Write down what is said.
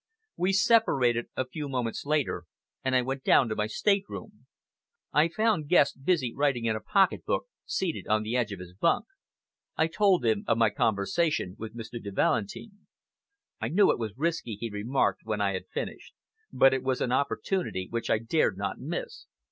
We separated a few moments later, and I went down to my state room. I found Guest busy writing in a pocket book, seated on the edge of his bunk. I told him of my conversation with Mr. de Valentin. "I knew it was risky," he remarked when I had finished, "but it was an opportunity which I dared not miss."